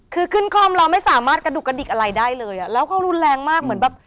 คือขึ้นคล่อมเราไม่สามารถกระดุกกระดิกอะไรได้เลยอ่ะแล้วเขารุนแรงมากเหมือนแบบ